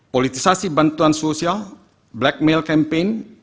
politisasi bantuan sosial blackmail campaign